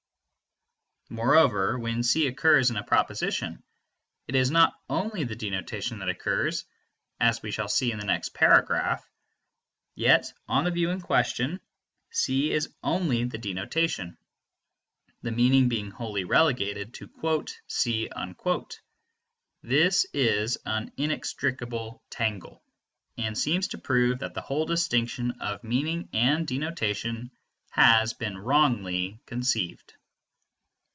Moreover, when C occurs in a proposition, it is not only the denotation that occurs (as we shall see in the next paragraph); yet, on the view in question, C is only the denotation, the meaning being wholly relegated to "C." This is an inextricable tangle, and seems to prove that the whole distinction between meaning and denotation has been wrongly conceived.